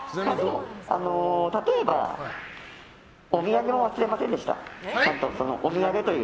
例えばお土産も忘れませんでした。